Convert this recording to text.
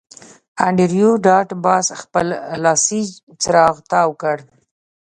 انډریو ډاټ باس خپل لاسي څراغ تاو کړ